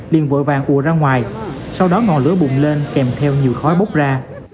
điện vội vàng ùa ra ngoài sau đó ngò lửa bùng lên kèm theo nhiều khói bốc ra